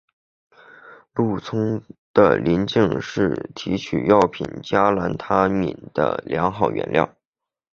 鹿葱的鳞茎是提取药品加兰他敏的良好原料。